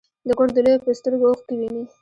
د کور د لویو په سترګو اوښکې وینې.